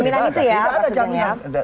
tidak ada jaminan